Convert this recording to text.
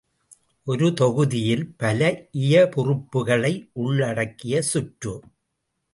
ஒரு தொகுதியில் பல இயைபுறுப்புகளை உள்ளடக்கிய சுற்று.